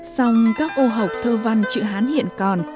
song các ô học thơ văn chữ hán hiện còn